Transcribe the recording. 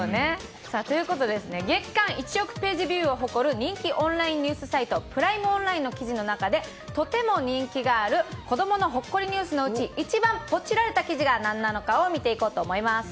ということで月間１億ページビューを誇る人気オンラインニュースサイトプライムオンラインの記事の中でとても人気のある子供のほっこりニュースのうち一番ポチられた記事は何なのか見ていこうと思います。